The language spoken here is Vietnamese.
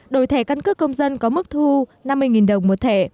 đổi thẻ căn cước công dân có mức thu năm mươi đồng một thẻ